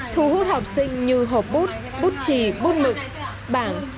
thu hút học sinh như hộp bút bút trì bút mực bảng